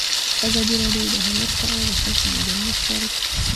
ازادي راډیو د هنر په اړه د خلکو نظرونه خپاره کړي.